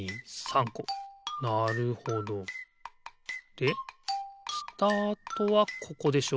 でスタートはここでしょ？